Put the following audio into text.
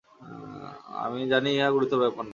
আমরা জানি ইহা গুরুতর ব্যাপার নয়।